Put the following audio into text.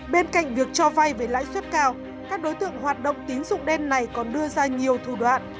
bên cạnh việc cho vay với lãi suất cao các đối tượng hoạt động tín dụng đen này còn đưa ra nhiều thủ đoạn